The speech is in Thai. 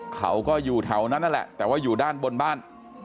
เขาก็อยู่แถวนั้นนั่นแหละแต่ว่าอยู่ด้านบนบ้าน